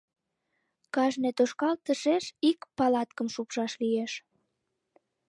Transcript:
Кажне «тошкалтышеш» ик палаткым шупшаш лиеш.